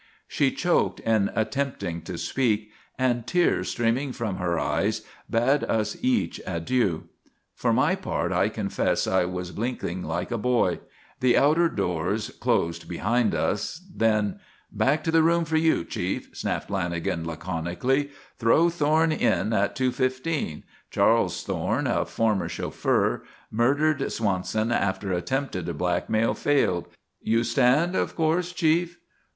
She choked in attempting to speak, and, tears streaming from her eyes, bade us each adieu. For my part I confess I was blinking like a boy. The outer doors closed behind us. Then: "Back to the room for you, chief," snapped Lanagan laconically. "Throw Thorne in at 2:15. Charles Thorne, a former chauffeur, murdered Swanson after attempted blackmail failed. You stand, of course, chief?"